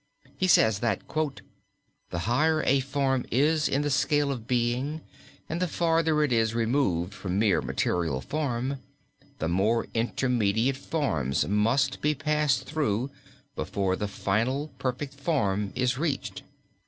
He says that "the higher a form is in the scale of being and the farther it is removed from mere material form, the more intermediate forms must be passed through before the finally perfect form is reached.